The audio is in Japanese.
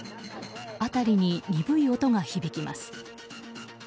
辺りに鈍い音が響きます。